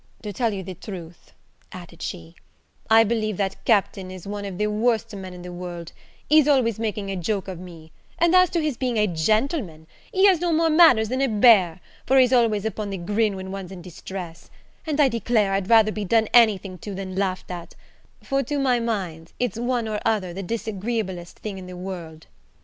"To tell you the truth," added she, "I believe that Captain is one of the worst men in the world; he's always making a joke of me; and as to his being a gentleman, he has no more manners than a bear, for he's always upon the grin when one's in distress; and, I declare I'd rather be done anything to than laughed at, for, to my mind, it's one or other the disagreeablest thing in the world."